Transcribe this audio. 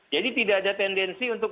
jadi tidak ada tendensi untuk